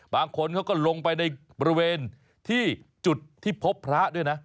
บางคนเขาก็ลงไปในบริเวณที่จุดที่พบพระด้วยนะ